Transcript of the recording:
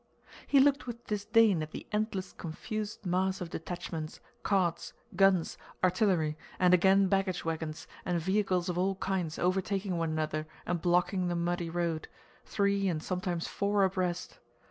He looked with disdain at the endless confused mass of detachments, carts, guns, artillery, and again baggage wagons and vehicles of all kinds overtaking one another and blocking the muddy road, three and sometimes four abreast.